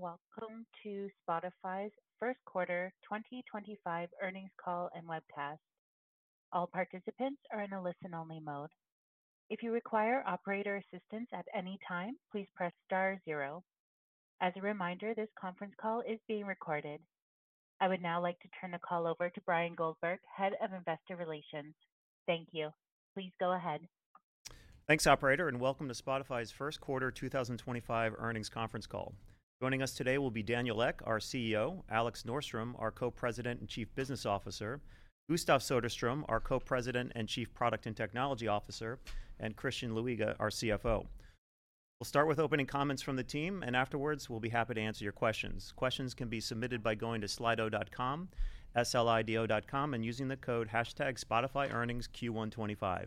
Welcome to Spotify's first quarter 2025 earnings call and webcast. All participants are in a listen-only mode. If you require operator assistance at any time, please press star zero. As a reminder, this conference call is being recorded. I would now like to turn the call over to Bryan Goldberg, Head of Investor Relations. Thank you. Please go ahead. Thanks, operator, and welcome to Spotify's first quarter 2025 earnings conference call. Joining us today will be Daniel Ek, our CEO, Alex Norström, our co-president and chief business officer, Gustav Söderström, our co-president and chief product and technology officer, and Christian Luiga, our CFO. We'll start with opening comments from the team, and afterwards, we'll be happy to answer your questions. Questions can be submitted by going to slido.com, slido.com, and using the code #spotifyearningsQ125.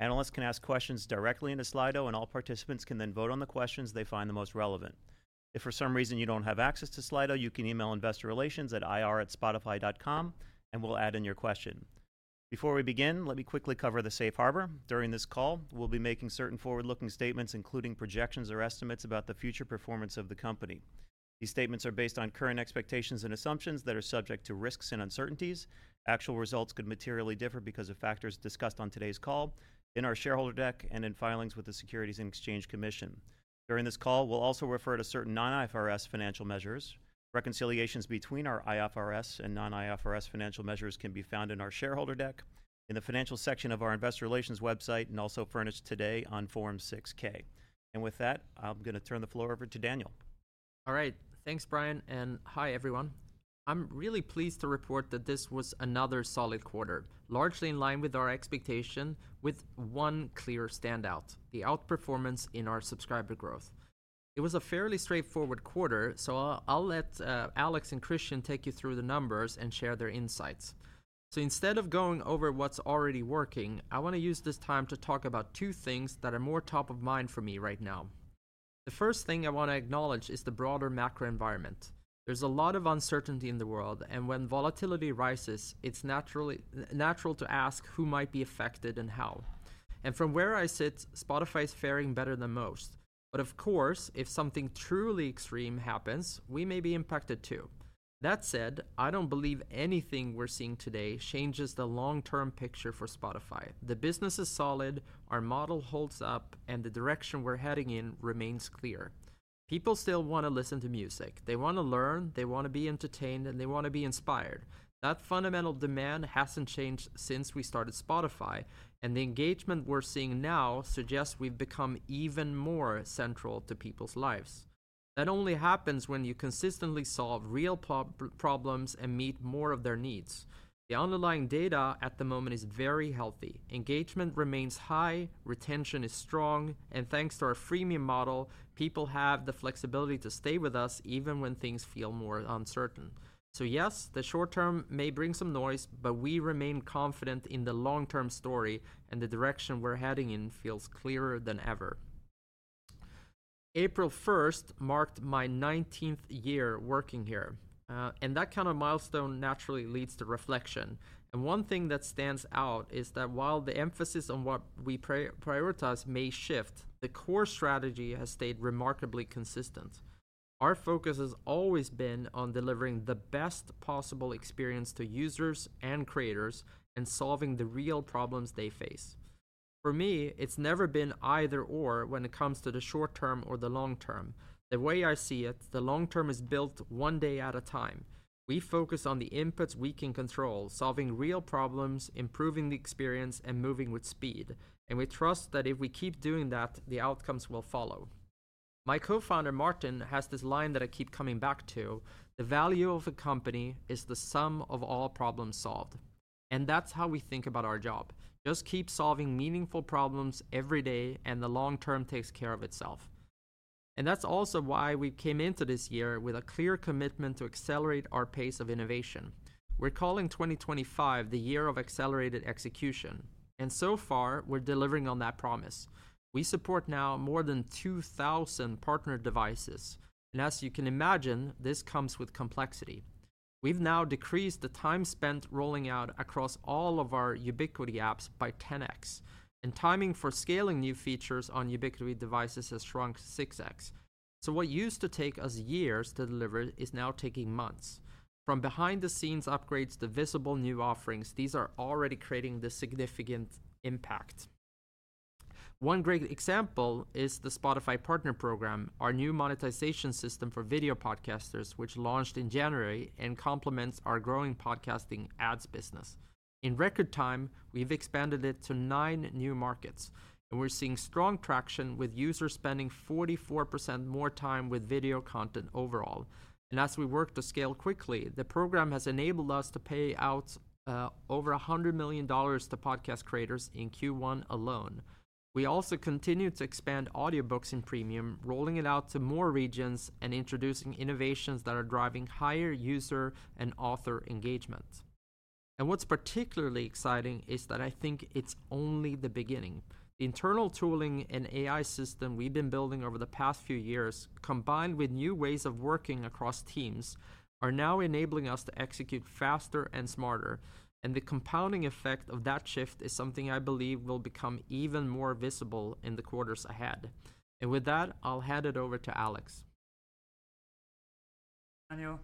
Analysts can ask questions directly into Slido, and all participants can then vote on the questions they find the most relevant. If for some reason you don't have access to Slido, you can email investor relations ir@spotify.com, and we'll add in your question. Before we begin, let me quickly cover the safe harbor. During this call, we'll be making certain forward-looking statements, including projections or estimates about the future performance of the company. These statements are based on current expectations and assumptions that are subject to risks and uncertainties. Actual results could materially differ because of factors discussed on today's call, in our shareholder deck, and in filings with the Securities and Exchange Commission. During this call, we'll also refer to certain non-IFRS financial measures. Reconciliations between our IFRS and non-IFRS financial measures can be found in our shareholder deck, in the financials section of our investor relations website, and also furnished today on Form 6K. With that, I'm going to turn the floor over to Daniel. All right. Thanks, Bryan. Hi, everyone. I'm really pleased to report that this was another solid quarter, largely in line with our expectation, with one clear standout: the outperformance in our subscriber growth. It was a fairly straightforward quarter, so I'll let Alex and Christian take you through the numbers and share their insights. Instead of going over what's already working, I want to use this time to talk about two things that are more top of mind for me right now. The first thing I want to acknowledge is the broader macro environment. There's a lot of uncertainty in the world, and when volatility rises, it's naturally natural to ask who might be affected and how. From where I sit, Spotify is faring better than most. Of course, if something truly extreme happens, we may be impacted too. That said, I don't believe anything we're seeing today changes the long-term picture for Spotify. The business is solid, our model holds up, and the direction we're heading in remains clear. People still want to listen to music. They want to learn, they want to be entertained, and they want to be inspired. That fundamental demand hasn't changed since we started Spotify, and the engagement we're seeing now suggests we've become even more central to people's lives. That only happens when you consistently solve real problems and meet more of their needs. The underlying data at the moment is very healthy. Engagement remains high, retention is strong, and thanks to our freemium model, people have the flexibility to stay with us even when things feel more uncertain. Yes, the short term may bring some noise, but we remain confident in the long-term story, and the direction we're heading in feels clearer than ever. April 1st marked my 19th year working here, and that kind of milestone naturally leads to reflection. One thing that stands out is that while the emphasis on what we prioritize may shift, the core strategy has stayed remarkably consistent. Our focus has always been on delivering the best possible experience to users and creators and solving the real problems they face. For me, it's never been either/or when it comes to the short term or the long term. The way I see it, the long term is built one day at a time. We focus on the inputs we can control, solving real problems, improving the experience, and moving with speed. We trust that if we keep doing that, the outcomes will follow. My co-founder, Martin, has this line that I keep coming back to: "The value of a company is the sum of all problems solved." That is how we think about our job. Just keep solving meaningful problems every day, and the long term takes care of itself. That is also why we came into this year with a clear commitment to accelerate our pace of innovation. We are calling 2025 the year of accelerated execution, and so far, we are delivering on that promise. We support now more than 2,000 partner devices, and as you can imagine, this comes with complexity. We have now decreased the time spent rolling out across all of our Ubiquiti apps by 10x, and timing for scaling new features on Ubiquiti devices has shrunk 6x. What used to take us years to deliver is now taking months. From behind-the-scenes upgrades to visible new offerings, these are already creating this significant impact. One great example is the Spotify Partner Program, our new monetization system for video podcasters, which launched in January and complements our growing podcasting ads business. In record time, we've expanded it to nine new markets, and we're seeing strong traction with users spending 44% more time with video content overall. As we work to scale quickly, the program has enabled us to pay out over $100 million to podcast creators in Q1 alone. We also continue to expand audiobooks in premium, rolling it out to more regions and introducing innovations that are driving higher user and author engagement. What's particularly exciting is that I think it's only the beginning. The internal tooling and AI system we've been building over the past few years, combined with new ways of working across teams, are now enabling us to execute faster and smarter. The compounding effect of that shift is something I believe will become even more visible in the quarters ahead. With that, I'll hand it over to Alex. Thanks Daniel,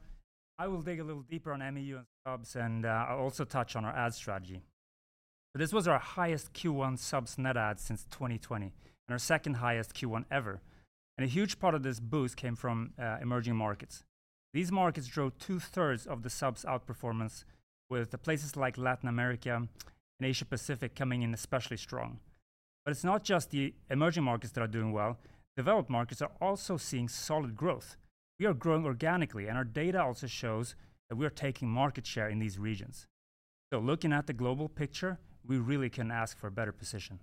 I will dig a little deeper on MAU and subs and also touch on our ad strategy. This was our highest Q1 subs net adds since 2020 and our second highest Q1 ever. A huge part of this boost came from emerging markets. These markets drove two-thirds of the subs' outperformance, with places like Latin America and Asia-Pacific coming in especially strong. It is not just the emerging markets that are doing well. Developed markets are also seeing solid growth. We are growing organically, and our data also shows that we are taking market share in these regions. Looking at the global picture, we really can ask for a better position.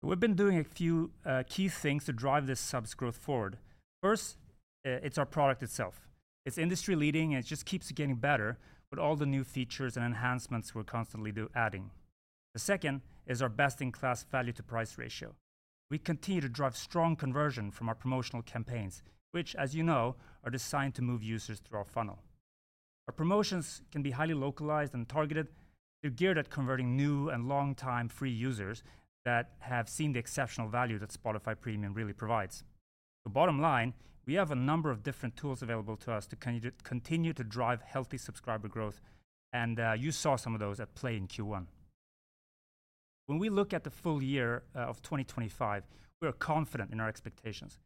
We've been doing a few key things to drive this subs' growth forward. First, it's our product itself. It's industry-leading, and it just keeps getting better with all the new features and enhancements we're constantly adding. The second is our best-in-class value-to-price ratio. We continue to drive strong conversion from our promotional campaigns, which, as you know, are designed to move users through our funnel. Our promotions can be highly localized and targeted. They're geared at converting new and long-time free users that have seen the exceptional value that Spotify Premium really provides. The bottom line, we have a number of different tools available to us to continue to drive healthy subscriber growth, and you saw some of those at play in Q1. When we look at the full year of 2025, we are confident in our expectations,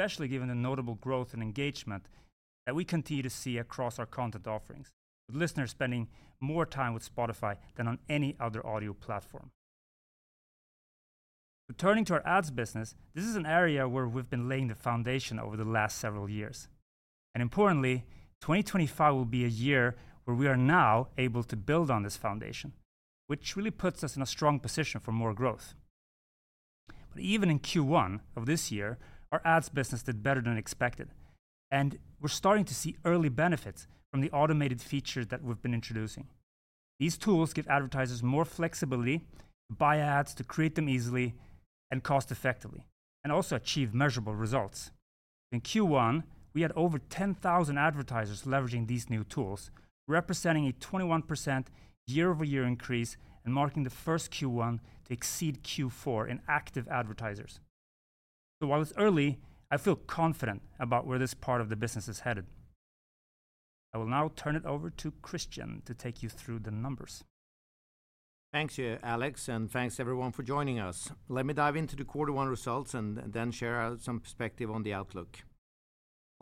especially given the notable growth and engagement that we continue to see across our content offerings, with listeners spending more time with Spotify than on any other audio platform. Returning to our ads business, this is an area where we have been laying the foundation over the last several years. Importantly, 2025 will be a year where we are now able to build on this foundation, which really puts us in a strong position for more growth. Even in Q1 of this year, our ads business did better than expected, and we're starting to see early benefits from the automated features that we've been introducing. These tools give advertisers more flexibility to buy ads, to create them easily and cost-effectively, and also achieve measurable results. In Q1, we had over 10,000 advertisers leveraging these new tools, representing a 21% year-over-year increase and marking the first Q1 to exceed Q4 in active advertisers. While it's early, I feel confident about where this part of the business is headed. I will now turn it over to Christian to take you through the numbers. Thanks, Alex, and thanks, everyone, for joining us. Let me dive into the quarter one results and then share some perspective on the outlook.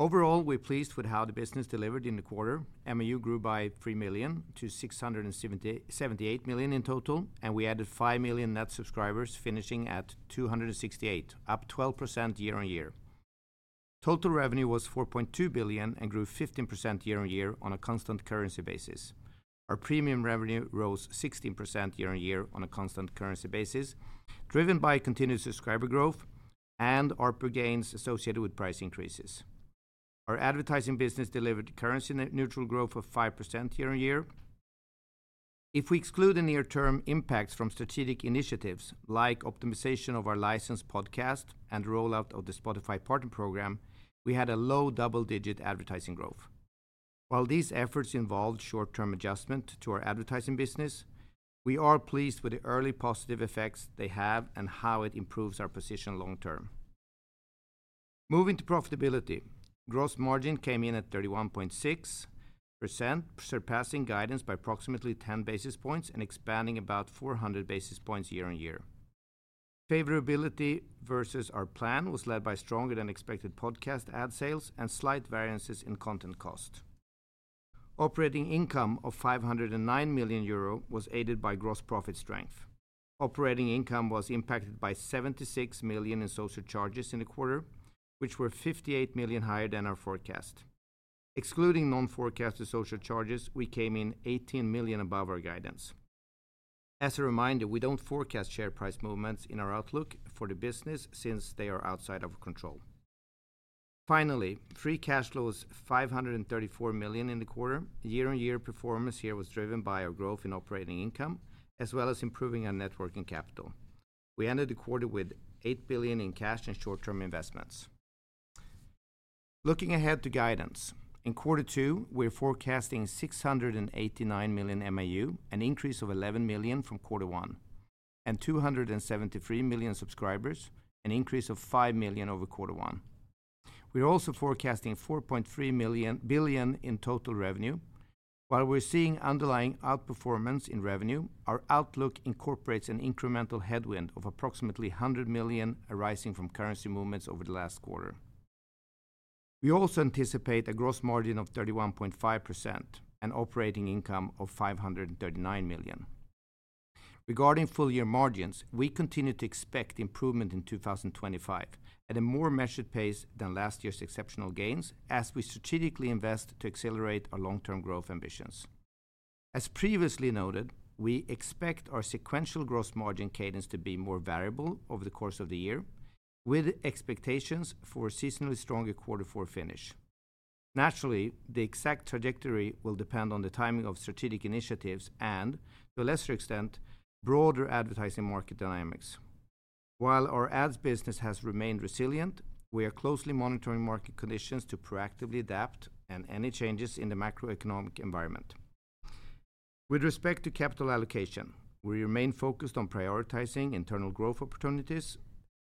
Overall, we're pleased with how the business delivered in the quarter. MAU grew by 3 million to 678 million in total, and we added 5 million net subscribers, finishing at 268 million, up 12% year-on-year. Total revenue was 4.2 billion and grew 15% year-on-year on a constant currency basis. Our premium revenue rose 16% year-on-year on a constant currency basis, driven by continued subscriber growth and output gains associated with price increases. Our advertising business delivered currency-neutral growth of 5% year-on-year. If we exclude the near-term impacts from strategic initiatives like optimization of our licensed podcast and rollout of the Spotify Partner Program, we had a low double-digit advertising growth. While these efforts involved short-term adjustment to our advertising business, we are pleased with the early positive effects they have and how it improves our position long-term. Moving to profitability, gross margin came in at 31.6%, surpassing guidance by approximately 10 basis points and expanding about 400 basis points year on year. Favorability versus our plan was led by stronger-than-expected podcast ad sales and slight variances in content cost. Operating income of 509 million euro was aided by gross profit strength. Operating income was impacted by 76 million in social charges in the quarter, which were 58 million higher than our forecast. Excluding non-forecasted social charges, we came in 18 million above our guidance. As a reminder, we do not forecast share price movements in our outlook for the business since they are outside of control. Finally, free cash flow was 534 million in the quarter. Year-on-year performance here was driven by our growth in operating income, as well as improving our net working capital. We ended the quarter with 8 billion in cash and short-term investments. Looking ahead to guidance, in quarter two, we're forecasting 689 million MAU, an increase of 11 million from quarter one, and 273 million subscribers, an increase of 5 million over quarter one. We're also forecasting 4.3 billion in total revenue. While we're seeing underlying outperformance in revenue, our outlook incorporates an incremental headwind of approximately 100 million arising from currency movements over the last quarter. We also anticipate a gross margin of 31.5% and operating income of 539 million. Regarding full-year margins, we continue to expect improvement in 2025 at a more measured pace than last year's exceptional gains, as we strategically invest to accelerate our long-term growth ambitions. As previously noted, we expect our sequential gross margin cadence to be more variable over the course of the year, with expectations for a seasonally stronger quarter four finish. Naturally, the exact trajectory will depend on the timing of strategic initiatives and, to a lesser extent, broader advertising market dynamics. While our ads business has remained resilient, we are closely monitoring market conditions to proactively adapt to any changes in the macroeconomic environment. With respect to capital allocation, we remain focused on prioritizing internal growth opportunities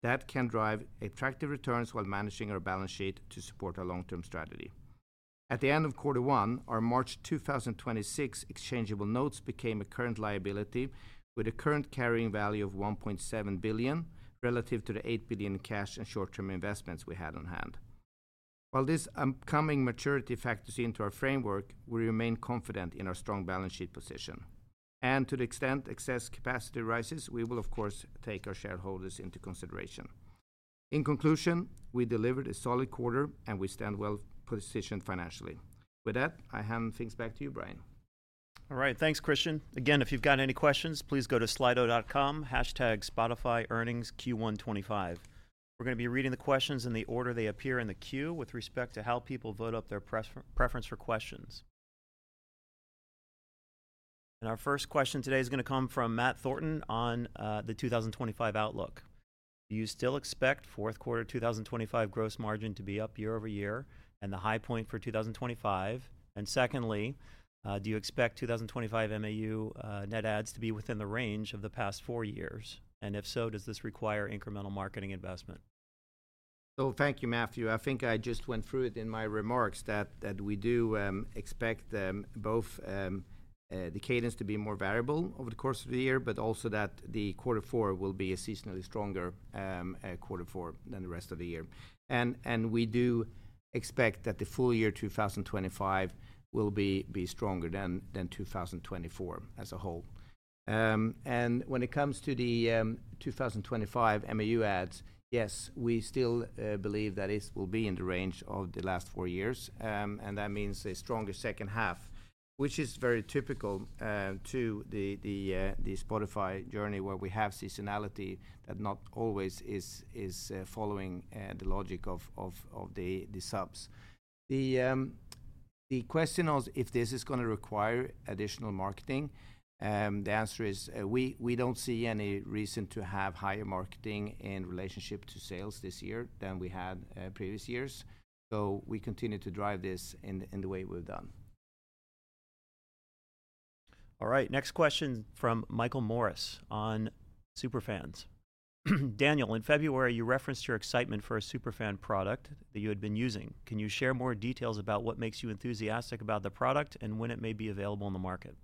that can drive attractive returns while managing our balance sheet to support our long-term strategy. At the end of quarter one, our March 2026 exchangeable notes became a current liability with a current carrying value of 1.7 billion relative to the 8 billion in cash and short-term investments we had on hand. While these upcoming maturity factors into our framework, we remain confident in our strong balance sheet position. To the extent excess capacity rises, we will, of course, take our shareholders into consideration. In conclusion, we delivered a solid quarter, and we stand well positioned financially. With that, I hand things back to you, Bryan. All right, thanks, Christian. Again, if you've got any questions, please go to slido.com/spotifyearningsq125. We're going to be reading the questions in the order they appear in the queue with respect to how people vote up their preference for questions. Our first question today is going to come from Matt Thornton on the 2025 outlook. Do you still expect fourth quarter 2025 gross margin to be up year-over-year and the high point for 2025? Secondly, do you expect 2025 MAU net adds to be within the range of the past four years? If so, does this require incremental marketing investment? Thank you, Matthew. I think I just went through it in my remarks that we do expect both the cadence to be more variable over the course of the year, but also that the quarter four will be a seasonally stronger quarter four than the rest of the year. We do expect that the full year 2025 will be stronger than 2024 as a whole. When it comes to the 2025 MAU ads, yes, we still believe that it will be in the range of the last four years. That means a stronger second half, which is very typical to the Spotify journey where we have seasonality that not always is following the logic of the subs. The question is if this is going to require additional marketing. The answer is we don't see any reason to have higher marketing in relationship to sales this year than we had previous years. We continue to drive this in the way we've done. All right, next question from Michael Morris on Superfans. Daniel, in February, you referenced your excitement for a Superfan product that you had been using. Can you share more details about what makes you enthusiastic about the product and when it may be available in the market?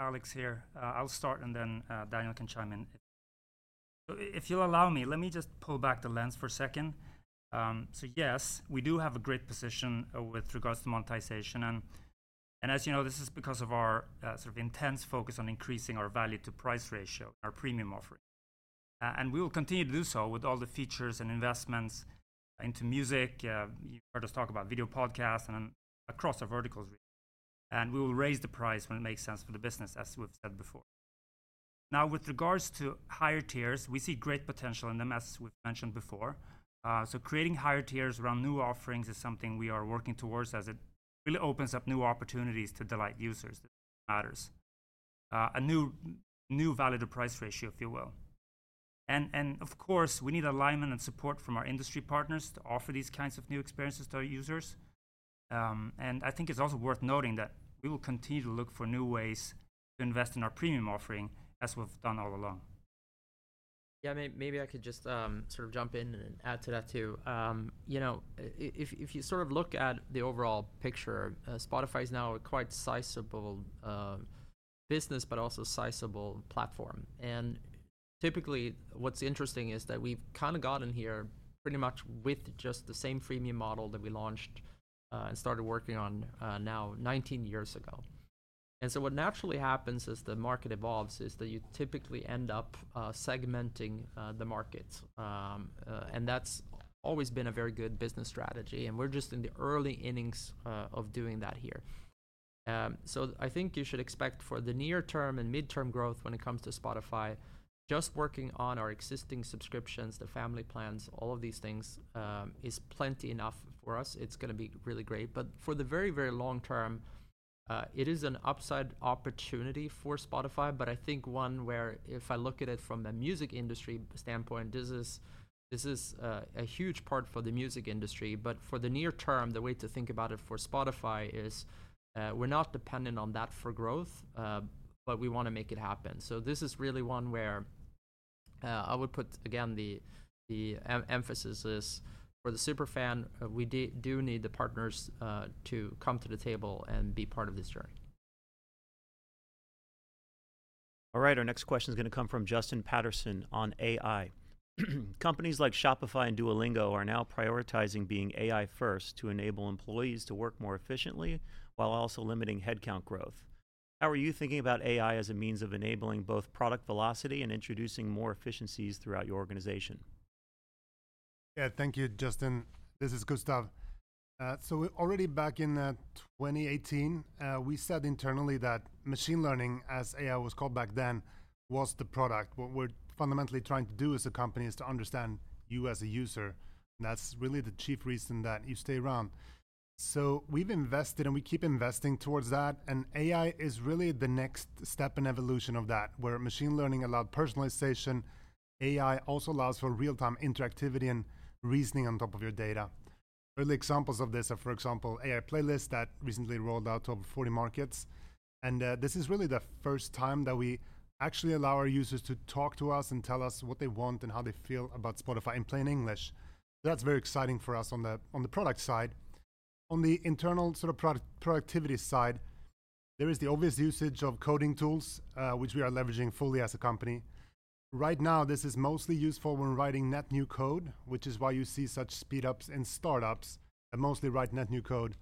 Alex here. I'll start, and then Daniel can chime in. If you'll allow me, let me just pull back the lens for a second. Yes, we do have a great position with regards to monetization. As you know, this is because of our sort of intense focus on increasing our value-to-price ratio in our premium offering. We will continue to do so with all the features and investments into music. You heard us talk about video podcasts and across our verticals. We will raise the price when it makes sense for the business, as we've said before. Now, with regards to higher tiers, we see great potential in them, as we've mentioned before. Creating higher tiers around new offerings is something we are working towards as it really opens up new opportunities to delight users. It matters. A new value-to-price ratio, if you will. Of course, we need alignment and support from our industry partners to offer these kinds of new experiences to our users. I think it is also worth noting that we will continue to look for new ways to invest in our premium offering as we have done all along. Yeah, maybe I could just sort of jump in and add to that too. If you sort of look at the overall picture, Spotify is now a quite sizable business, but also sizable platform. What's interesting is that we've kind of gotten here pretty much with just the same freemium model that we launched and started working on now 19 years ago. What naturally happens as the market evolves is that you typically end up segmenting the markets. That's always been a very good business strategy. We're just in the early innings of doing that here. I think you should expect for the near-term and mid-term growth when it comes to Spotify, just working on our existing subscriptions, the family plans, all of these things is plenty enough for us. It's going to be really great. For the very, very long term, it is an upside opportunity for Spotify, but I think one where if I look at it from the music industry standpoint, this is a huge part for the music industry. For the near term, the way to think about it for Spotify is we're not dependent on that for growth, but we want to make it happen. This is really one where I would put, again, the emphasis is for the Superfan, we do need the partners to come to the table and be part of this journey. All right, our next question is going to come from Justin Patterson on AI. Companies like Shopify and Duolingo are now prioritizing being AI-first to enable employees to work more efficiently while also limiting headcount growth. How are you thinking about AI as a means of enabling both product velocity and introducing more efficiencies throughout your organization? Yeah, thank you, Justin. This is Gustav. Already back in 2018, we said internally that machine learning, as AI was called back then, was the product. What we are fundamentally trying to do as a company is to understand you as a user. That is really the chief reason that you stay around. We have invested and we keep investing towards that. AI is really the next step in evolution of that, where machine learning allowed personalization. AI also allows for real-time interactivity and reasoning on top of your data. Early examples of this are, for example, AI Playlist that recently rolled out to over 40 markets. This is really the first time that we actually allow our users to talk to us and tell us what they want and how they feel about Spotify in plain English. That is very exciting for us on the product side. On the internal sort of productivity side, there is the obvious usage of coding tools, which we are leveraging fully as a company. Right now, this is mostly useful when writing net new code, which is why you see such speed-ups in start-ups that mostly write net new code.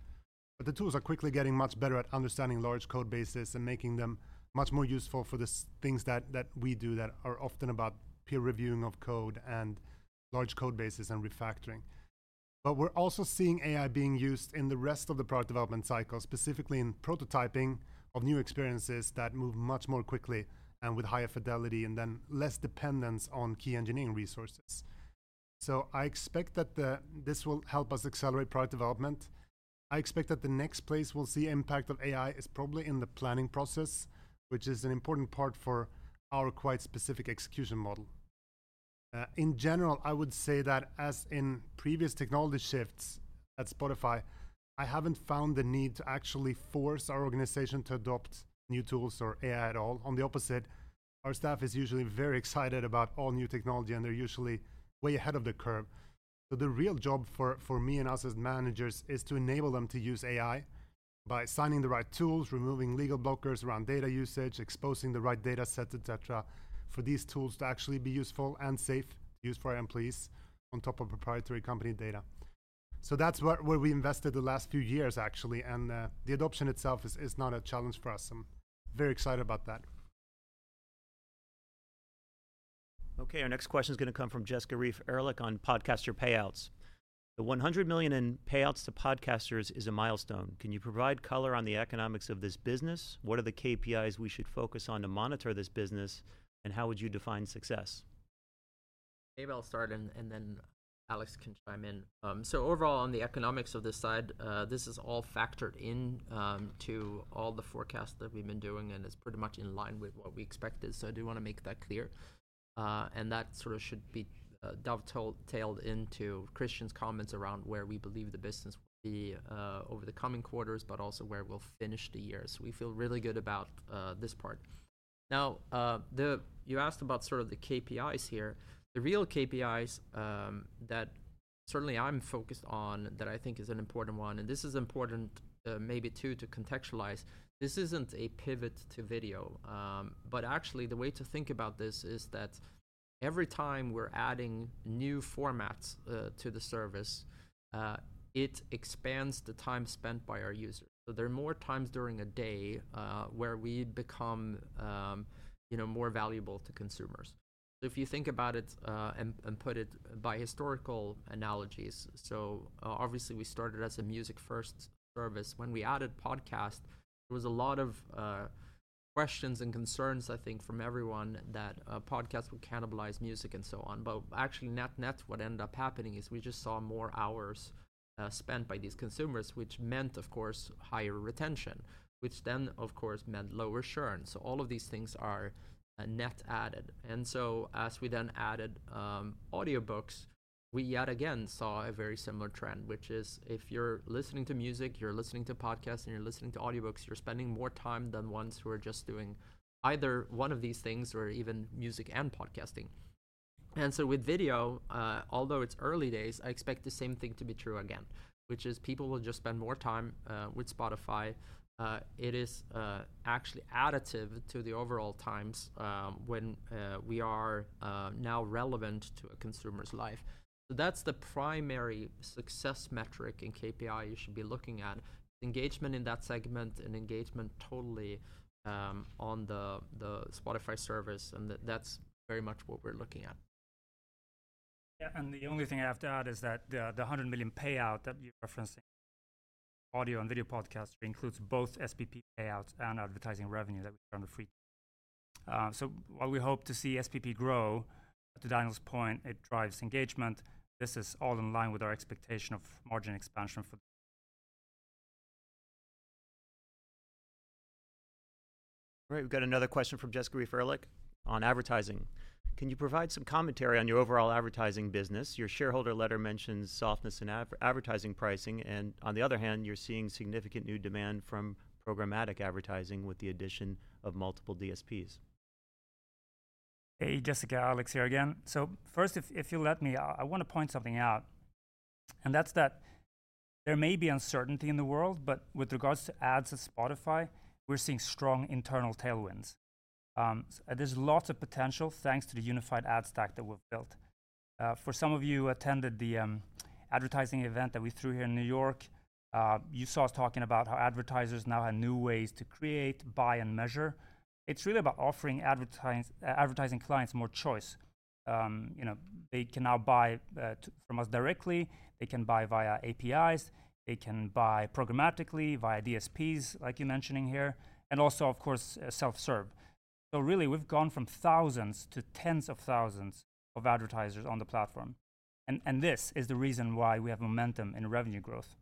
The tools are quickly getting much better at understanding large code bases and making them much more useful for the things that we do that are often about peer reviewing of code and large code bases and refactoring. We are also seeing AI being used in the rest of the product development cycle, specifically in prototyping of new experiences that move much more quickly and with higher fidelity and then less dependence on key engineering resources. I expect that this will help us accelerate product development. I expect that the next place we'll see impact of AI is probably in the planning process, which is an important part for our quite specific execution model. In general, I would say that as in previous technology shifts at Spotify, I haven't found the need to actually force our organization to adopt new tools or AI at all. On the opposite, our staff is usually very excited about all new technology, and they're usually way ahead of the curve. The real job for me and us as managers is to enable them to use AI by signing the right tools, removing legal blockers around data usage, exposing the right data sets, et cetera, for these tools to actually be useful and safe to use for our employees on top of proprietary company data. That's where we invested the last few years, actually. The adoption itself is not a challenge for us. I'm very excited about that. Okay, our next question is going to come from Jessica Reif-Erlich on podcaster payouts. The 100 million in payouts to podcasters is a milestone. Can you provide color on the economics of this business? What are the KPIs we should focus on to monitor this business? How would you define success? Maybe I'll start, and then Alex can chime in. Overall, on the economics of this side, this is all factored into all the forecasts that we've been doing, and it's pretty much in line with what we expected. I do want to make that clear. That sort of should be dovetailed into Christian's comments around where we believe the business will be over the coming quarters, but also where we'll finish the year. We feel really good about this part. Now, you asked about sort of the KPIs here. The real KPIs that certainly I'm focused on that I think is an important one, and this is important maybe too to contextualize. This isn't a pivot to video. Actually, the way to think about this is that every time we're adding new formats to the service, it expands the time spent by our users. There are more times during a day where we become more valuable to consumers. If you think about it and put it by historical analogies, obviously we started as a music-first service. When we added podcast, there was a lot of questions and concerns, I think, from everyone that podcast would cannibalize music and so on. Actually, net-net what ended up happening is we just saw more hours spent by these consumers, which meant, of course, higher retention, which then, of course, meant lower churn. All of these things are net-added. As we then added audiobooks, we yet again saw a very similar trend, which is if you're listening to music, you're listening to podcasts, and you're listening to audiobooks, you're spending more time than ones who are just doing either one of these things or even music and podcasting. With video, although it's early days, I expect the same thing to be true again, which is people will just spend more time with Spotify. It is actually additive to the overall times when we are now relevant to a consumer's life. That's the primary success metric and KPI you should be looking at: engagement in that segment and engagement totally on the Spotify service. That's very much what we're looking at. Yeah. The only thing I have to add is that the 100 million payout that you're referencing, audio and video podcast, includes both SPP payouts and advertising revenue that we turn to free channel. While we hope to see SPP grow, to Daniel's point, it drives engagement. This is all in line with our expectation of margin expansion for the future. All right, we've got another question from Jessica Reif-Erlich on advertising. Can you provide some commentary on your overall advertising business? Your shareholder letter mentions softness in advertising pricing. On the other hand, you're seeing significant new demand from programmatic advertising with the addition of multiple DSPs. Hey, Jessica, Alex here again. First, if you'll let me, I want to point something out. That's that there may be uncertainty in the world, but with regards to ads at Spotify, we're seeing strong internal tailwinds. There's lots of potential thanks to the unified ad stack that we've built. For some of you who attended the advertising event that we threw here in New York, you saw us talking about how advertisers now have new ways to create, buy, and measure. It's really about offering advertising clients more choice. They can now buy from us directly. They can buy via APIs. They can buy programmatically via DSPs, like you're mentioning here, and also, of course, self-serve. Really, we've gone from thousands to tens of thousands of advertisers on the platform. This is the reason why we have momentum in revenue growth.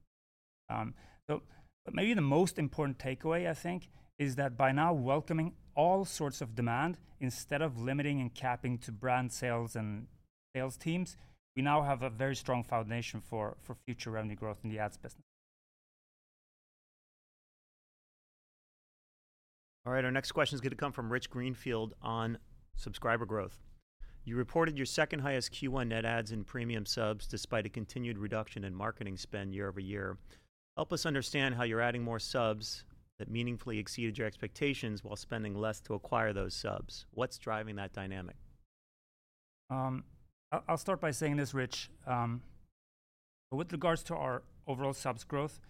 Maybe the most important takeaway, I think, is that by now welcoming all sorts of demand, instead of limiting and capping to brand sales and sales teams, we now have a very strong foundation for future revenue growth in the ads business. All right, our next question is going to come from Rich Greenfield on subscriber growth. You reported your second highest Q1 net adds in premium subs despite a continued reduction in marketing spend year-over-year. Help us understand how you're adding more subs that meaningfully exceeded your expectations while spending less to acquire those subs. What's driving that dynamic? I'll start by saying this, Rich. With regards to our overall subs growth,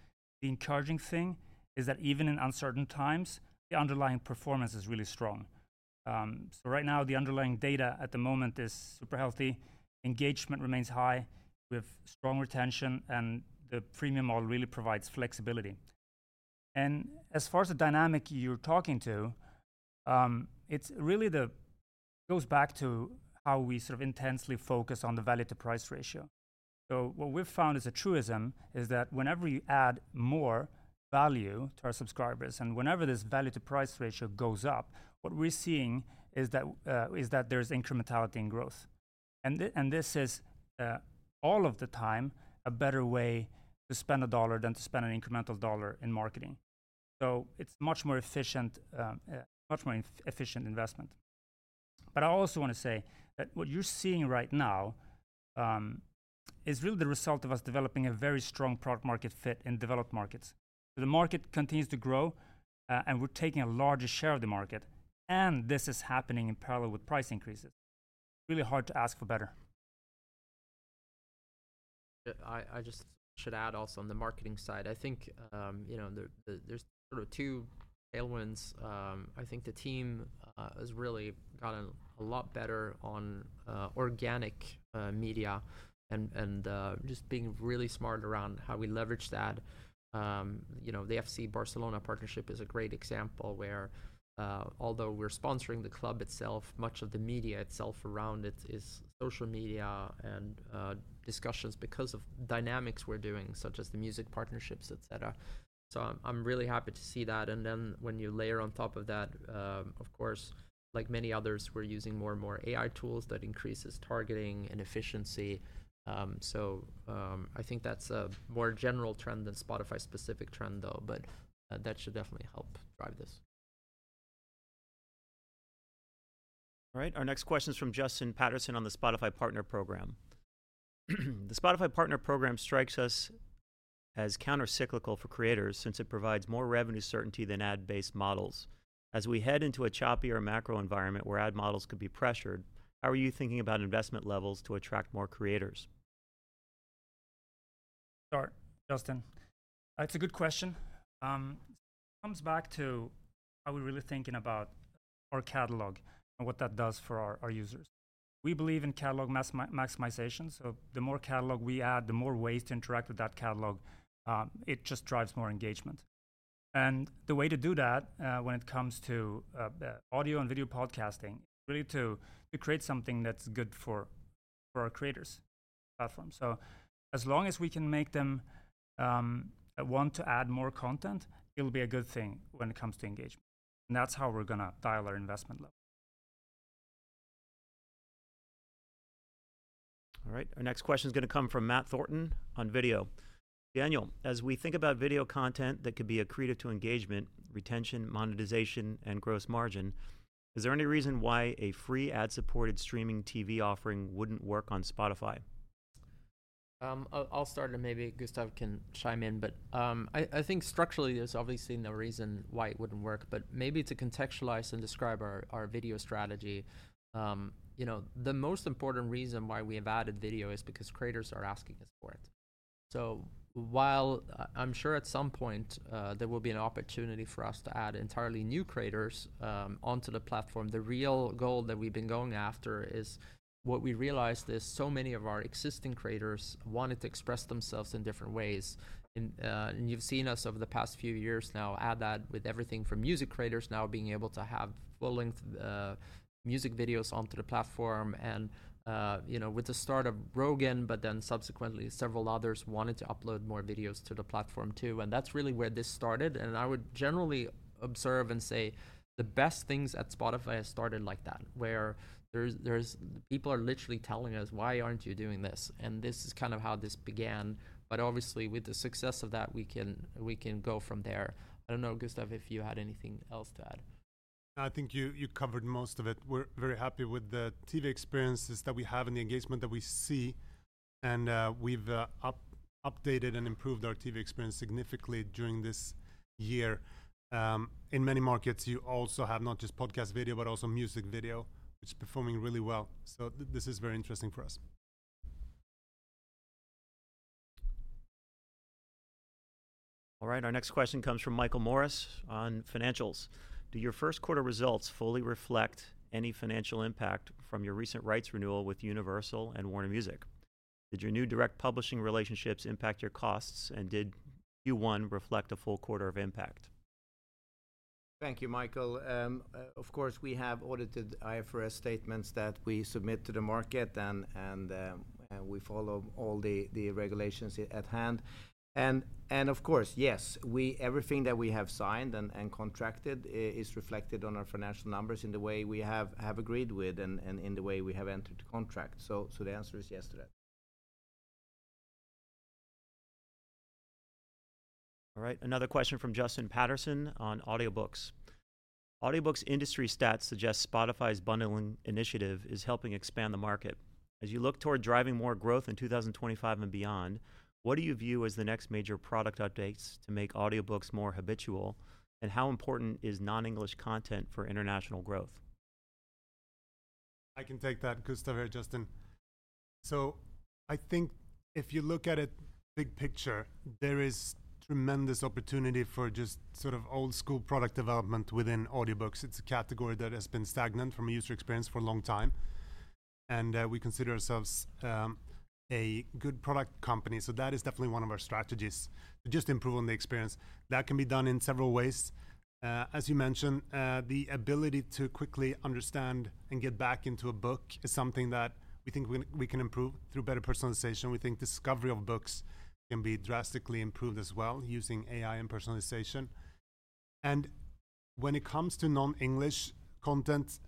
the encouraging thing is that even in uncertain times, the underlying performance is really strong. Right now, the underlying data at the moment is super healthy. Engagement remains high. We have strong retention, and the premium model really provides flexibility. As far as the dynamic you're talking to, it really goes back to how we sort of intensely focus on the value-to-price ratio. What we've found as a truism is that whenever you add more value to our subscribers and whenever this value-to-price ratio goes up, what we're seeing is that there's incrementality in growth. This is, all of the time, a better way to spend a dollar than to spend an incremental dollar in marketing. It's a much more efficient investment. I also want to say that what you're seeing right now is really the result of us developing a very strong product-market fit in developed markets. The market continues to grow, and we're taking a larger share of the market. This is happening in parallel with price increases. It's really hard to ask for better. I just should add also on the marketing side, I think there's sort of two tailwinds. I think the team has really gotten a lot better on organic media and just being really smart around how we leverage that. The FC Barcelona partnership is a great example where, although we're sponsoring the club itself, much of the media itself around it is social media and discussions because of dynamics we're doing, such as the music partnerships, et cetera. I'm really happy to see that. When you layer on top of that, of course, like many others, we're using more and more AI tools that increase targeting and efficiency. I think that's a more general trend than a Spotify-specific trend, though. That should definitely help drive this. All right, our next question is from Justin Patterson on the Spotify Partner Program. The Spotify Partner Program strikes us as countercyclical for creators since it provides more revenue certainty than ad-based models. As we head into a choppier macro environment where ad models could be pressured, how are you thinking about investment levels to attract more creators? Sure, Justin. It's a good question. It comes back to how we're really thinking about our catalog and what that does for our users. We believe in catalog maximization. The more catalog we add, the more ways to interact with that catalog, it just drives more engagement. The way to do that when it comes to audio and video podcasting is really to create something that's good for our creators' platform. As long as we can make them want to add more content, it'll be a good thing when it comes to engagement. That's how we're going to dial our investment level. All right, our next question is going to come from Matt Thornton on video. Daniel, as we think about video content that could be accretive to engagement, retention, monetization, and gross margin, is there any reason why a free ad-supported streaming TV offering would not work on Spotify? I'll start, and maybe Gustav can chime in. I think structurally, there's obviously no reason why it wouldn't work. Maybe to contextualize and describe our video strategy, the most important reason why we have added video is because creators are asking us for it. While I'm sure at some point there will be an opportunity for us to add entirely new creators onto the platform, the real goal that we've been going after is what we realized is so many of our existing creators wanted to express themselves in different ways. You've seen us over the past few years now add that with everything from music creators now being able to have full-length music videos onto the platform. With the start of Rogan, and subsequently several others wanted to upload more videos to the platform too. That's really where this started. I would generally observe and say the best things at Spotify have started like that, where people are literally telling us, "Why aren't you doing this?" This is kind of how this began. Obviously, with the success of that, we can go from there. I do not know, Gustav, if you had anything else to add. I think you covered most of it. We're very happy with the TV experiences that we have and the engagement that we see. We've updated and improved our TV experience significantly during this year. In many markets, you also have not just podcast video, but also music video, which is performing really well. This is very interesting for us. All right, our next question comes from Michael Morris on financials. Do your first quarter results fully reflect any financial impact from your recent rights renewal with Universal and Warner Music? Did your new direct publishing relationships impact your costs? Did Q1 reflect a full quarter of impact? Thank you, Michael. Of course, we have audited IFRS statements that we submit to the market, and we follow all the regulations at hand. Yes, everything that we have signed and contracted is reflected on our financial numbers in the way we have agreed with and in the way we have entered the contract. The answer is yes to that. All right, another question from Justin Patterson on audiobooks. Audiobooks industry stats suggest Spotify's bundling initiative is helping expand the market. As you look toward driving more growth in 2025 and beyond, what do you view as the next major product updates to make audiobooks more habitual? How important is non-English content for international growth? I can take that, Gustav here, Justin. I think if you look at it big picture, there is tremendous opportunity for just sort of old-school product development within audiobooks. It's a category that has been stagnant from a user experience for a long time. We consider ourselves a good product company. That is definitely one of our strategies to just improve on the experience. That can be done in several ways. As you mentioned, the ability to quickly understand and get back into a book is something that we think we can improve through better personalization. We think discovery of books can be drastically improved as well using AI and personalization. When it comes to non-English content,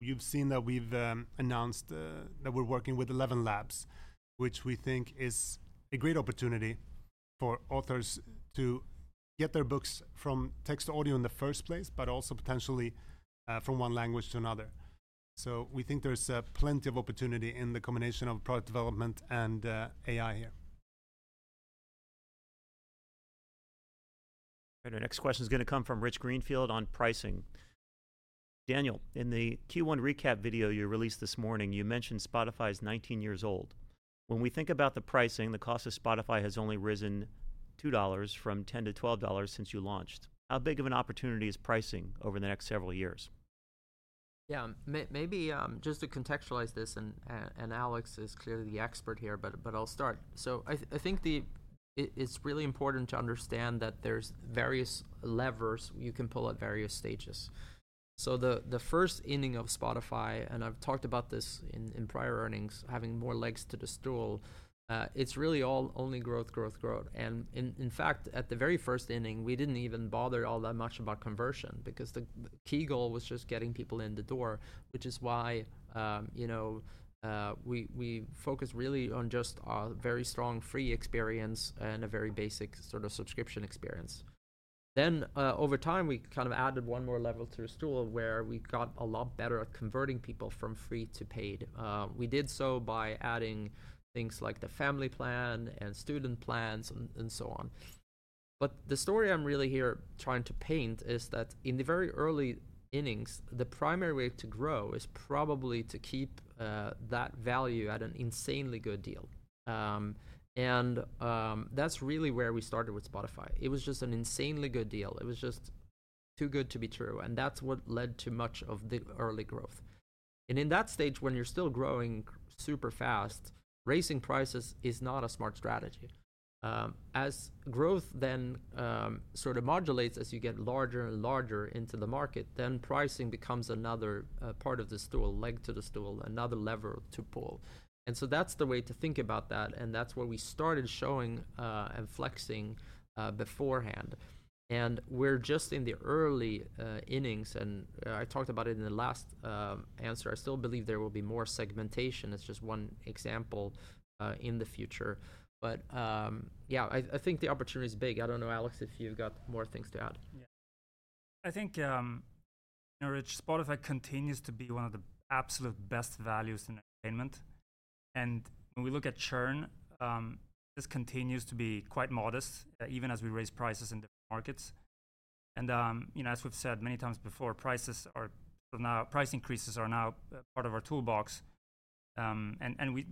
you've seen that we've announced that we're working with ElevenLabs, which we think is a great opportunity for authors to get their books from text to audio in the first place, but also potentially from one language to another. We think there's plenty of opportunity in the combination of product development and AI here. All right, our next question is going to come from Rich Greenfield on pricing. Daniel, in the Q1 recap video you released this morning, you mentioned Spotify is 19 years old. When we think about the pricing, the cost of Spotify has only risen $2 from $10 to $12 since you launched. How big of an opportunity is pricing over the next several years? Yeah, maybe just to contextualize this, and Alex is clearly the expert here, but I'll start. I think it's really important to understand that there's various levers you can pull at various stages. The first inning of Spotify, and I've talked about this in prior earnings, having more legs to the stool, it's really all only growth, growth, growth. In fact, at the very first inning, we didn't even bother all that much about conversion because the key goal was just getting people in the door, which is why we focused really on just a very strong free experience and a very basic sort of subscription experience. Over time, we kind of added one more level to the stool where we got a lot better at converting people from free to paid. We did so by adding things like the family plan and student plans and so on. The story I'm really here trying to paint is that in the very early innings, the primary way to grow is probably to keep that value at an insanely good deal. That's really where we started with Spotify. It was just an insanely good deal. It was just too good to be true. That's what led to much of the early growth. In that stage, when you're still growing super fast, raising prices is not a smart strategy. As growth then sort of modulates as you get larger and larger into the market, pricing becomes another part of the stool, leg to the stool, another lever to pull. That's the way to think about that. That's where we started showing and flexing beforehand. We are just in the early innings. I talked about it in the last answer. I still believe there will be more segmentation. It is just one example in the future. Yeah, I think the opportunity is big. I do not know, Alex, if you have got more things to add. I think, Rich, Spotify continues to be one of the absolute best values in entertainment. When we look at churn, this continues to be quite modest, even as we raise prices in different markets. As we've said many times before, price increases are now part of our toolbox.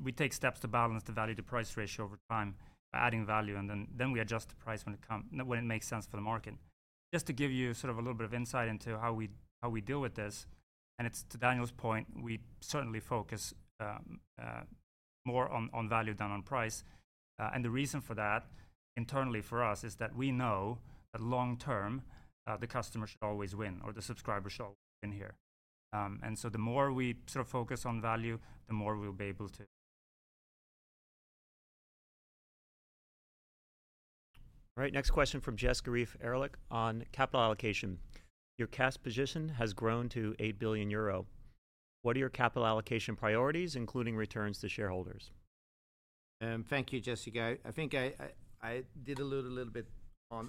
We take steps to balance the value-to-price ratio over time by adding value, and then we adjust the price when it makes sense for the market. Just to give you sort of a little bit of insight into how we deal with this, and it's to Daniel's point, we certainly focus more on value than on price. The reason for that internally for us is that we know that long term, the customer should always win or the subscriber should always win here. The more we sort of focus on value, the more we'll be able to. All right, next question from Jessica Reif-Erlich on capital allocation. Your cash position has grown to 8 billion euro. What are your capital allocation priorities, including returns to shareholders? Thank you, Jessica. I think I did allude a little bit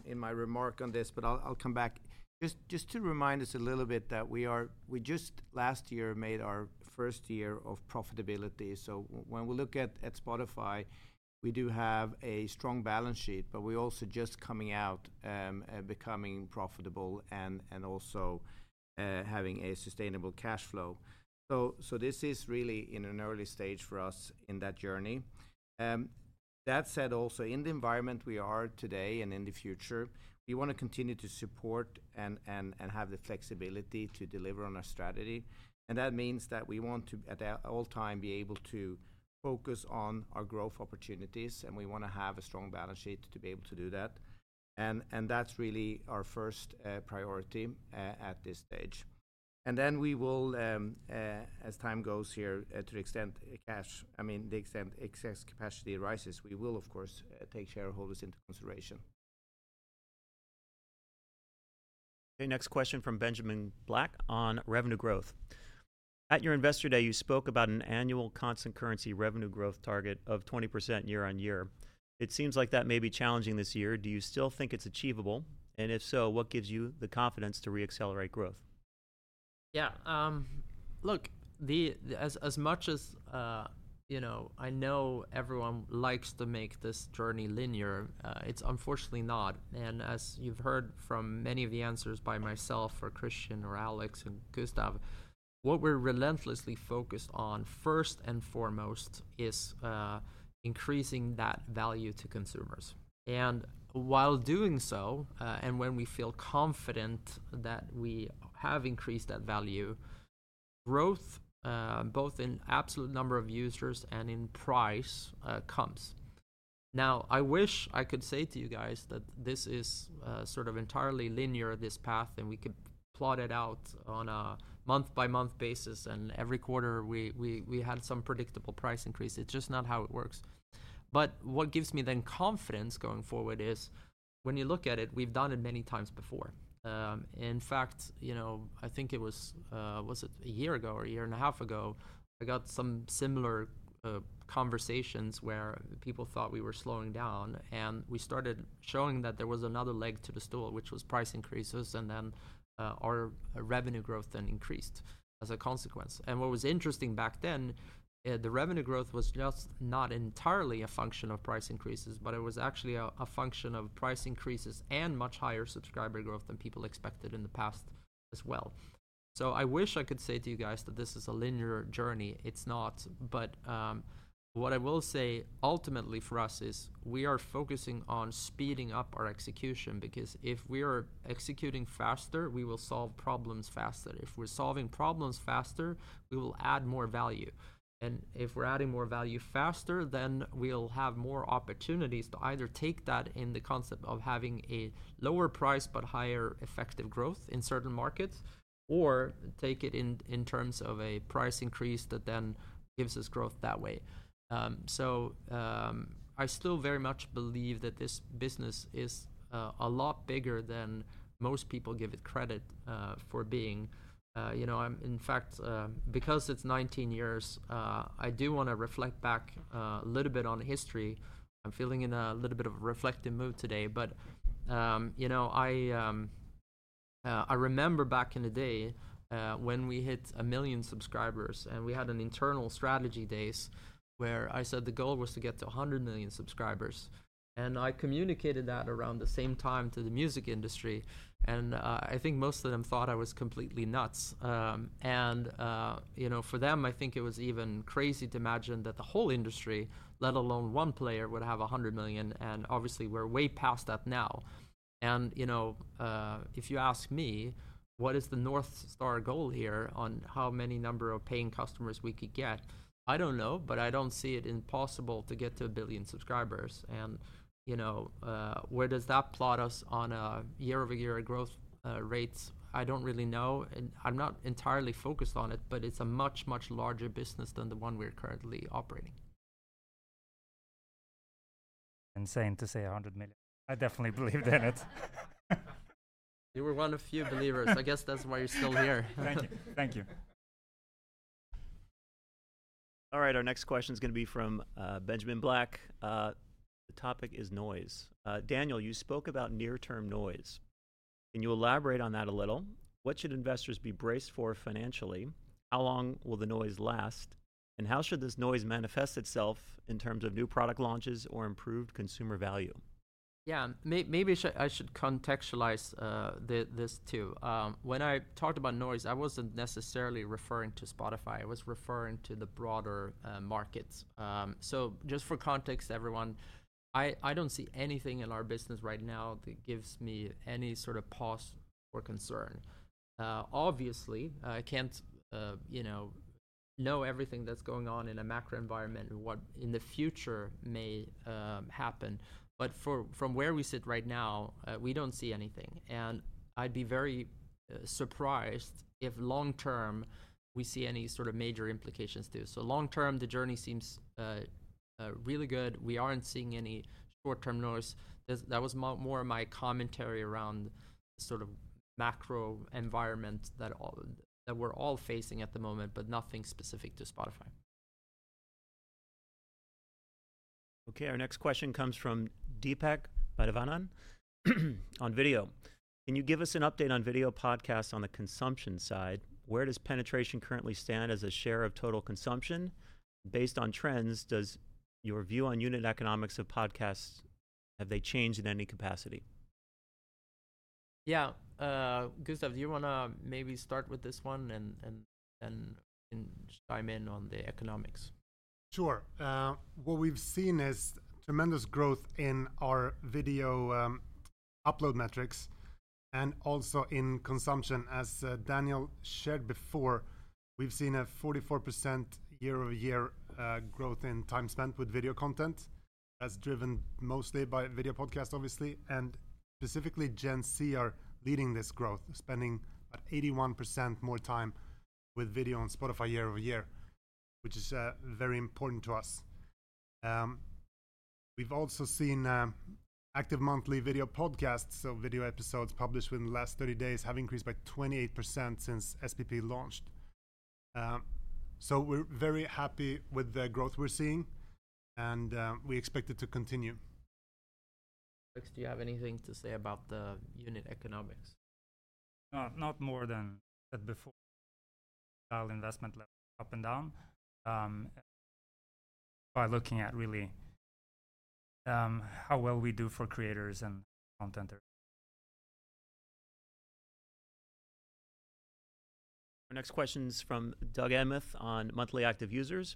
in my remark on this, but I'll come back. Just to remind us a little bit that we just last year made our first year of profitability. When we look at Spotify, we do have a strong balance sheet, but we're also just coming out and becoming profitable and also having a sustainable cash flow. This is really in an early stage for us in that journey. That said, also in the environment we are today and in the future, we want to continue to support and have the flexibility to deliver on our strategy. That means that we want to at all time be able to focus on our growth opportunities. We want to have a strong balance sheet to be able to do that. That is really our first priority at this stage. Then we will, as time goes here, to the extent cash, I mean, the extent excess capacity arises, we will, of course, take shareholders into consideration. Okay, next question from Benjamin Black on revenue growth. At your investor day, you spoke about an annual constant currency revenue growth target of 20% year on year. It seems like that may be challenging this year. Do you still think it's achievable? If so, what gives you the confidence to re-accelerate growth? Yeah, look, as much as I know everyone likes to make this journey linear, it's unfortunately not. As you've heard from many of the answers by myself or Christian or Alex and Gustav, what we're relentlessly focused on first and foremost is increasing that value to consumers. While doing so, and when we feel confident that we have increased that value, growth, both in absolute number of users and in price, comes. I wish I could say to you guys that this is sort of entirely linear, this path, and we could plot it out on a month-by-month basis. Every quarter, we had some predictable price increase. It's just not how it works. What gives me then confidence going forward is when you look at it, we've done it many times before. In fact, I think it was, was it a year ago or a year and a half ago, I got some similar conversations where people thought we were slowing down. We started showing that there was another leg to the stool, which was price increases. Our revenue growth then increased as a consequence. What was interesting back then, the revenue growth was just not entirely a function of price increases, but it was actually a function of price increases and much higher subscriber growth than people expected in the past as well. I wish I could say to you guys that this is a linear journey. It's not. What I will say ultimately for us is we are focusing on speeding up our execution because if we are executing faster, we will solve problems faster. If we're solving problems faster, we will add more value. If we're adding more value faster, then we'll have more opportunities to either take that in the concept of having a lower price but higher effective growth in certain markets or take it in terms of a price increase that then gives us growth that way. I still very much believe that this business is a lot bigger than most people give it credit for being. In fact, because it's 19 years, I do want to reflect back a little bit on history. I'm feeling in a little bit of a reflective mood today. I remember back in the day when we hit a million subscribers. We had internal strategy days where I said the goal was to get to 100 million subscribers. I communicated that around the same time to the music industry. I think most of them thought I was completely nuts. For them, I think it was even crazy to imagine that the whole industry, let alone one player, would have 100 million. Obviously, we're way past that now. If you ask me, what is the North Star goal here on how many number of paying customers we could get, I don't know. I don't see it impossible to get to a billion subscribers. Where does that plot us on a year-over-year growth rates? I don't really know. I'm not entirely focused on it, but it's a much, much larger business than the one we're currently operating. Insane to say 100 million. I definitely believed in it. You were one of few believers. I guess that's why you're still here. Thank you. All right, our next question is going to be from Benjamin Black. The topic is noise. Daniel, you spoke about near-term noise. Can you elaborate on that a little? What should investors be braced for financially? How long will the noise last? How should this noise manifest itself in terms of new product launches or improved consumer value? Yeah, maybe I should contextualize this too. When I talked about noise, I was not necessarily referring to Spotify. I was referring to the broader markets. Just for context, everyone, I do not see anything in our business right now that gives me any sort of pause or concern. Obviously, I cannot know everything that is going on in a macro environment, what in the future may happen. From where we sit right now, we do not see anything. I would be very surprised if long term we see any sort of major implications too. Long term, the journey seems really good. We are not seeing any short-term noise. That was more of my commentary around the sort of macro environment that we are all facing at the moment, nothing specific to Spotify. Okay, our next question comes from Deepak Bhadevanan on video. Can you give us an update on video podcasts on the consumption side? Where does penetration currently stand as a share of total consumption? Based on trends, does your view on unit economics of podcasts, have they changed in any capacity? Yeah, Gustav, do you want to maybe start with this one and then chime in on the economics? Sure. What we've seen is tremendous growth in our video upload metrics and also in consumption. As Daniel shared before, we've seen a 44% year-over-year growth in time spent with video content. That is driven mostly by video podcasts, obviously. Specifically, Gen Z are leading this growth, spending about 81% more time with video on Spotify year-over-year, which is very important to us. We've also seen active monthly video podcasts. Video episodes published within the last 30 days have increased by 28% since SPP launched. We are very happy with the growth we are seeing. We expect it to continue. Alex, do you have anything to say about the unit economics? Not more than before. [inaudible] Investment level up and down [inaudible] by looking at really how well we do for creators and content. [inaudible] Our next question is from Doug Anmuth on monthly active users.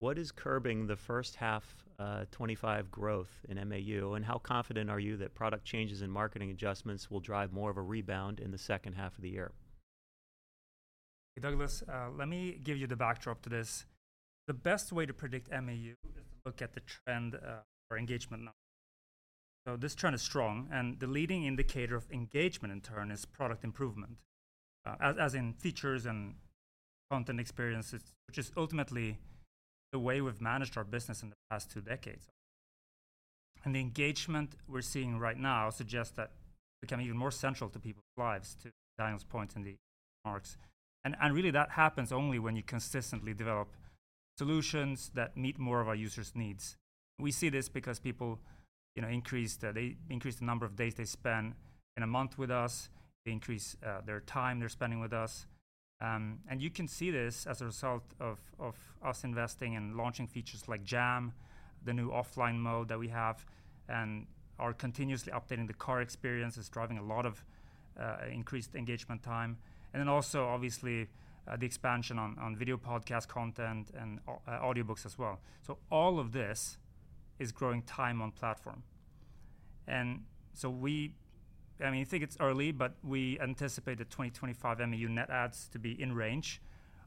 What is curbing the first half 2025 growth in MAU? How confident are you that product changes and marketing adjustments will drive more of a rebound in the second half of the year? Hey, Doug, let me give you the backdrop to this. The best way to predict MAU is to look at the trend or engagement. [inaudible] This trend is strong. The leading indicator of engagement in turn is product improvement, as in features and content experiences, which is ultimately the way we've managed our business in the past two decades. The engagement we're seeing right now suggests that we become even more central to people's lives, to Daniel's point and the remarks. That happens only when you consistently develop solutions that meet more of our users' needs. We see this because people increase the number of days they spend in a month with us. They increase their time they're spending with us. You can see this as a result of us investing and launching features like Jam, the new offline mode that we have, and are continuously updating the car experience, is driving a lot of increased engagement time. Also, obviously, the expansion on video podcast content and audiobooks as well. All of this is growing time on platform. I mean, I think it's early, but we anticipate the 2025 MAU net adds to be in range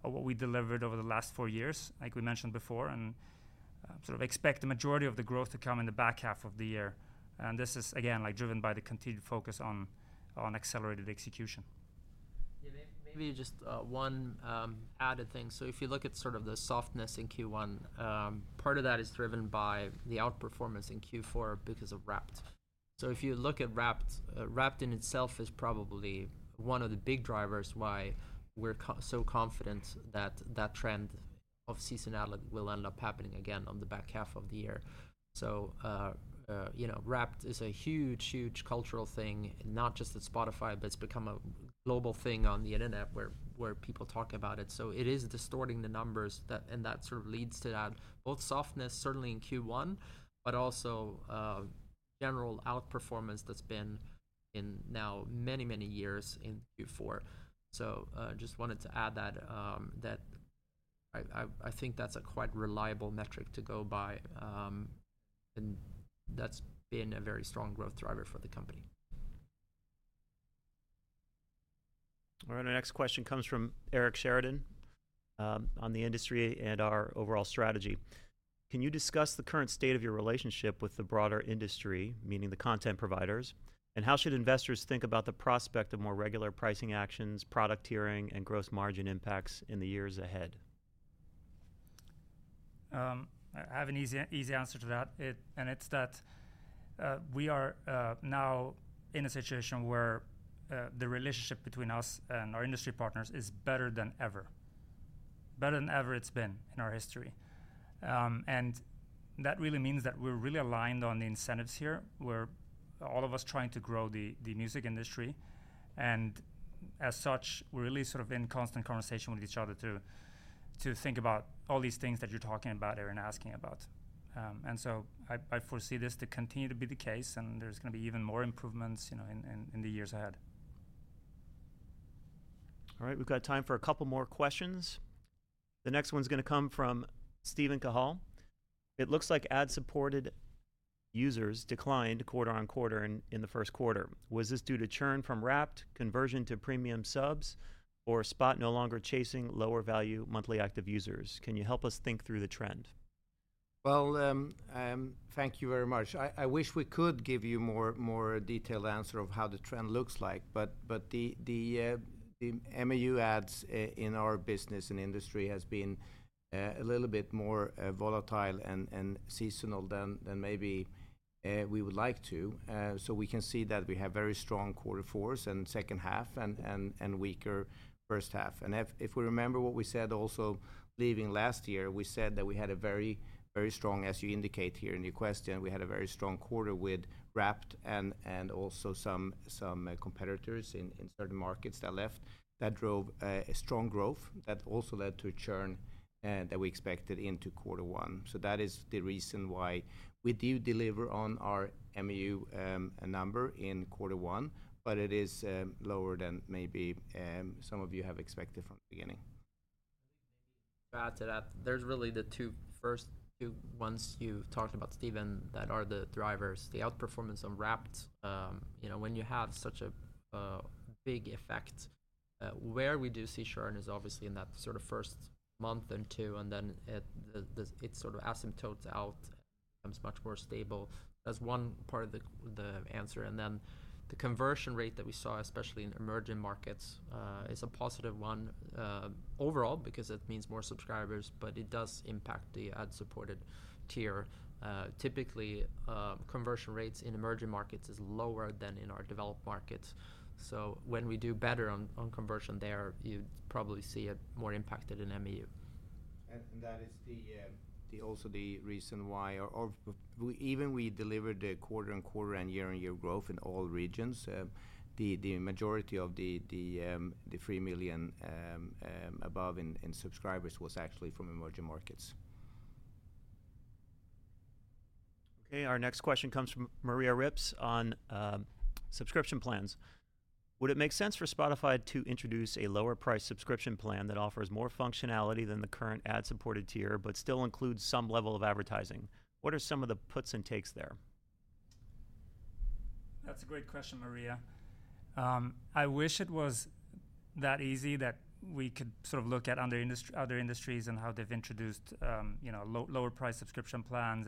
of what we delivered over the last four years, like we mentioned before. We sort of expect the majority of the growth to come in the back half of the year. This is, again, like driven by the continued focus on accelerated execution. Yeah. Maybe just one added thing. If you look at sort of the softness in Q1, part of that is driven by the outperformance in Q4 because of Wrapped. If you look at Wrapped, Wrapped in itself is probably one of the big drivers why we're so confident that that trend of seasonality will end up happening again on the back half of the year. Wrapped is a huge, huge cultural thing, not just at Spotify, but it's become a global thing on the internet where people talk about it. It is distorting the numbers. That sort of leads to that both softness, certainly in Q1, but also general outperformance that's been in now many, many years in Q4. I just wanted to add that I think that's a quite reliable metric to go by. That has been a very strong growth driver for the company. All right, our next question comes from Eric Sheridan on the industry and our overall strategy. Can you discuss the current state of your relationship with the broader industry, meaning the content providers? How should investors think about the prospect of more regular pricing actions, product tiering, and gross margin impacts in the years ahead? I have an easy answer to that. It's that we are now in a situation where the relationship between us and our industry partners is better than ever. Better than ever it's been in our history. That really means that we're really aligned on the incentives here. We're all of us trying to grow the music industry. As such, we're really sort of in constant conversation with each other to think about all these things that you're talking about here and asking about. I foresee this to continue to be the case. There's going to be even more improvements in the years ahead. All right, we've got time for a couple more questions. The next one's going to come from Stephen Cahall. It looks like ad-supported users declined quarter on quarter in the first quarter. Was this due to churn from Wrapped, conversion to premium subs, or Spotify no longer chasing lower value monthly active users? Can you help us think through the trend? Thank you very much. I wish we could give you a more detailed answer of how the trend looks like. The MAU adds in our business and industry have been a little bit more volatile and seasonal than maybe we would like to. We can see that we have very strong quarter fours and second half and weaker first half. If we remember what we said also leaving last year, we said that we had a very, very strong, as you indicate here in your question, we had a very strong quarter with Wrapped and also some competitors in certain markets that left. That drove a strong growth that also led to a churn that we expected into quarter one. That is the reason why we do deliver on our MAU number in quarter one, but it is lower than maybe some of you have expected from the beginning. I think maybe back to that, there's really the first two ones you talked about, Stephen, that are the drivers. The outperformance on Wrapped, when you have such a big effect, where we do see churn is obviously in that sort of first month or two. It sort of asymptotes out, becomes much more stable. That's one part of the answer. The conversion rate that we saw, especially in emerging markets, is a positive one overall because it means more subscribers. It does impact the ad-supported tier. Typically, conversion rates in emerging markets are lower than in our developed markets. When we do better on conversion there, you probably see it more impacted in MAU. That is also the reason why even though we delivered the quarter-on-quarter and year-on-year growth in all regions, the majority of the 3 million above in subscribers was actually from emerging markets. Okay, our next question comes from Maria Ripps on subscription plans. Would it make sense for Spotify to introduce a lower-priced subscription plan that offers more functionality than the current ad-supported tier, but still includes some level of advertising? What are some of the puts and takes there? That's a great question, Maria. I wish it was that easy that we could sort of look at other industries and how they've introduced lower-priced subscription plans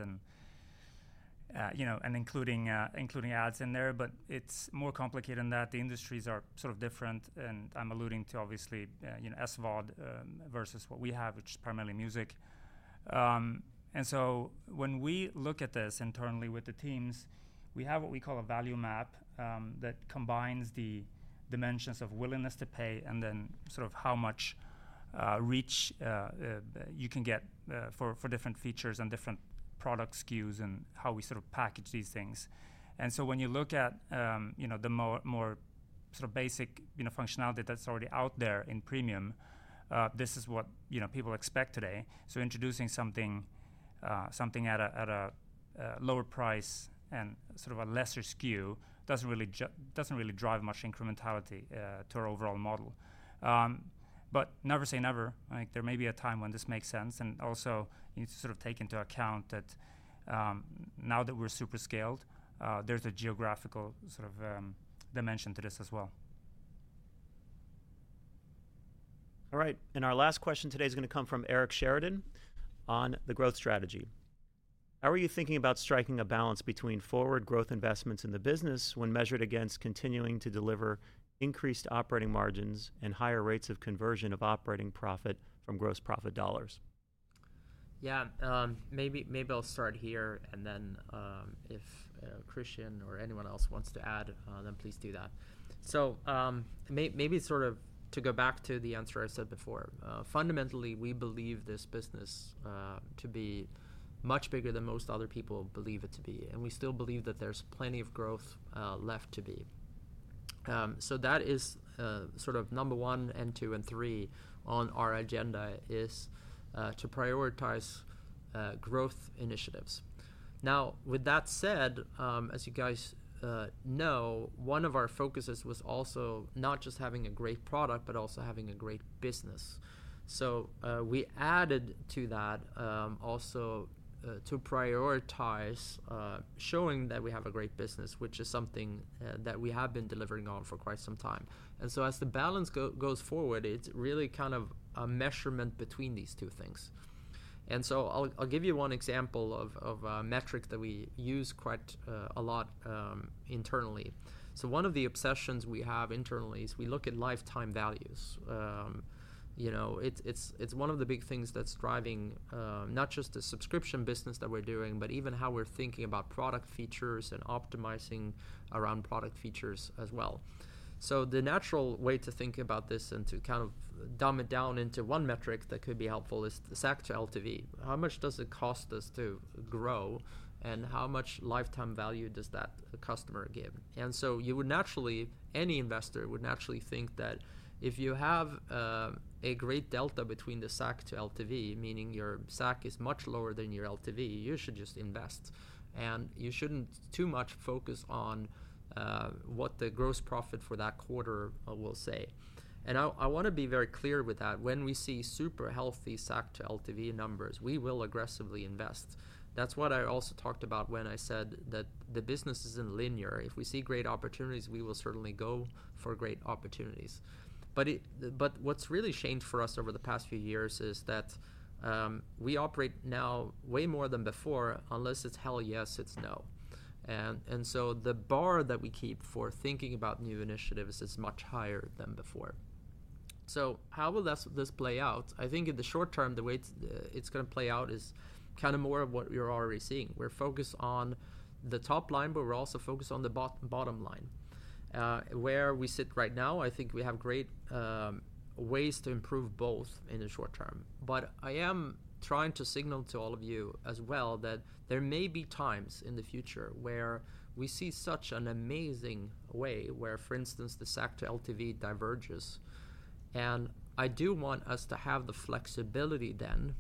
and including ads in there. It is more complicated than that. The industries are sort of different. I'm alluding to, obviously, SVOD versus what we have, which is primarily music. When we look at this internally with the teams, we have what we call a value map that combines the dimensions of willingness to pay and then sort of how much reach you can get for different features and different product SKUs and how we sort of package these things. When you look at the more sort of basic functionality that's already out there in premium, this is what people expect today. Introducing something at a lower price and sort of a lesser SKU does not really drive much incrementality to our overall model. Never say never. There may be a time when this makes sense. Also, you need to sort of take into account that now that we are super scaled, there is a geographical sort of dimension to this as well. All right, our last question today is going to come from Eric Sheridan on the growth strategy. How are you thinking about striking a balance between forward growth investments in the business when measured against continuing to deliver increased operating margins and higher rates of conversion of operating profit from gross profit dollars? Yeah, maybe I'll start here. If Christian or anyone else wants to add, then please do that. Maybe sort of to go back to the answer I said before, fundamentally, we believe this business to be much bigger than most other people believe it to be. We still believe that there's plenty of growth left to be. That is sort of number one and two and three on our agenda is to prioritize growth initiatives. With that said, as you guys know, one of our focuses was also not just having a great product, but also having a great business. We added to that also to prioritize showing that we have a great business, which is something that we have been delivering on for quite some time. As the balance goes forward, it's really kind of a measurement between these two things. I'll give you one example of a metric that we use quite a lot internally. One of the obsessions we have internally is we look at lifetime values. It's one of the big things that's driving not just the subscription business that we're doing, but even how we're thinking about product features and optimizing around product features as well. The natural way to think about this and to kind of dumb it down into one metric that could be helpful is SAC to LTV. How much does it cost us to grow? And how much lifetime value does that customer give? You would naturally, any investor would naturally think that if you have a great delta between the SAC to LTV, meaning your SAC is much lower than your LTV, you should just invest. You should not too much focus on what the gross profit for that quarter will say. I want to be very clear with that. When we see super healthy SAC to LTV numbers, we will aggressively invest. That is what I also talked about when I said that the business is not linear. If we see great opportunities, we will certainly go for great opportunities. What has really changed for us over the past few years is that we operate now way more than before unless it is hell yes, it is no. The bar that we keep for thinking about new initiatives is much higher than before. How will this play out? I think in the short term, the way it's going to play out is kind of more of what you're already seeing. We're focused on the top line, but we're also focused on the bottom line. Where we sit right now, I think we have great ways to improve both in the short term. I am trying to signal to all of you as well that there may be times in the future where we see such an amazing way where, for instance, the SAC to LTV diverges. I do want us to have the flexibility then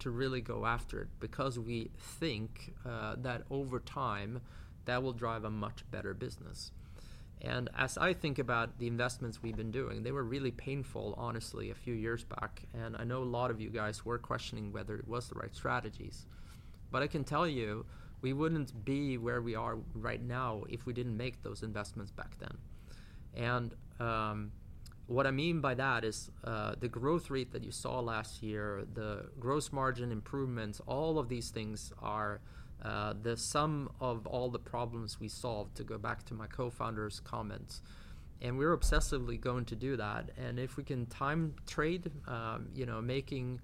to really go after it because we think that over time, that will drive a much better business. As I think about the investments we've been doing, they were really painful, honestly, a few years back. I know a lot of you guys were questioning whether it was the right strategies. I can tell you, we wouldn't be where we are right now if we didn't make those investments back then. What I mean by that is the growth rate that you saw last year, the gross margin improvements, all of these things are the sum of all the problems we solved to go back to my co-founder's comments. We're obsessively going to do that. If we can time trade making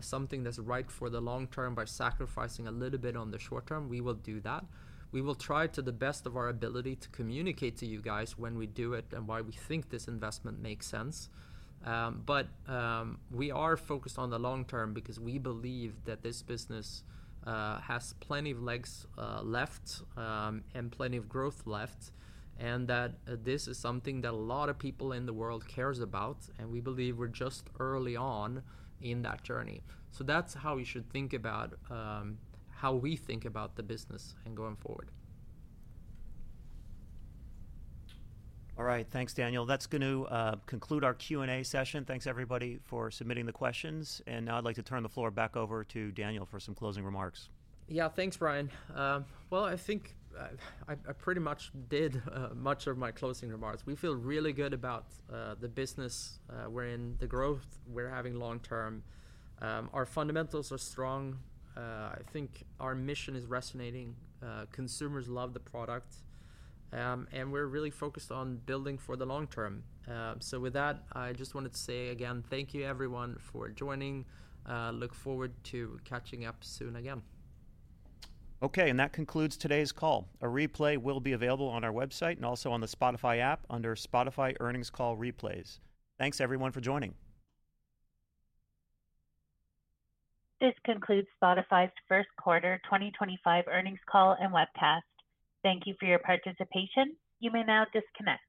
something that's right for the long term by sacrificing a little bit on the short term, we will do that. We will try to the best of our ability to communicate to you guys when we do it and why we think this investment makes sense. We are focused on the long term because we believe that this business has plenty of legs left and plenty of growth left and that this is something that a lot of people in the world cares about. We believe we're just early on in that journey. That's how we should think about how we think about the business and going forward. All right, thanks, Daniel. That is going to conclude our Q&A session. Thanks, everybody, for submitting the questions. Now I would like to turn the floor back over to Daniel for some closing remarks. Yeah, thanks, Brian. I think I pretty much did much of my closing remarks. We feel really good about the business. We're in the growth. We're having long term. Our fundamentals are strong. I think our mission is resonating. Consumers love the product. We're really focused on building for the long term. With that, I just wanted to say again, thank you, everyone, for joining. Look forward to catching up soon again. Okay, and that concludes today's call. A replay will be available on our website and also on the Spotify app under Spotify Earnings Call Replays. Thanks, everyone, for joining. This concludes Spotify's first quarter 2025 earnings call and webcast. Thank you for your participation. You may now disconnect.